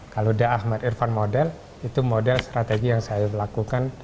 kalau da ahmad irfan model itu model strategi yang saya lakukan